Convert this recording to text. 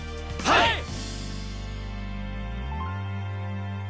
はい！